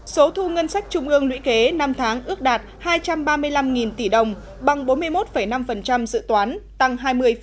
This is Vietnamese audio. số thu ngân sách trung ương lũy kế năm tháng ước đạt hai trăm ba mươi năm tỷ đồng bằng bốn mươi một năm dự toán tăng hai mươi ba